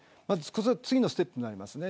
次のステップになりますね。